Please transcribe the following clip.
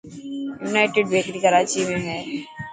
يونائٽڊ بيڪري ڪراچي ۾ هي.